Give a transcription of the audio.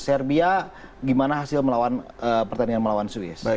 serbia gimana hasil pertandingan melawan swiss